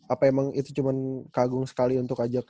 apa emang itu cuman kagung sekali untuk ajak